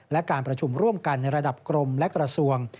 และการประชุมร่วมกันในระดับกรมและกระทรวง